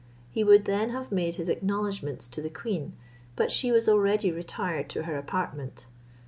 He would then have made his acknowledgments to the queen, but she was already retired to her apartment.